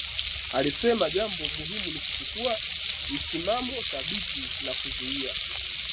Alisema jambo muhimu ni kuchukua msimamo thabiti na kuzuia